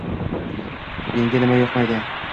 Menga nima yoqmaydi?